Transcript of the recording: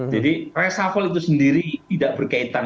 jadi resafel itu sendiri tidak berkaitan